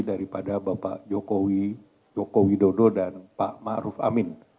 dari pada bapak jokowi joko widodo dan pak ma ruf amin